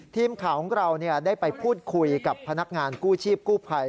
ทีมข่าวของเราได้ไปพูดคุยกับพนักงานกู้ชีพกู้ภัย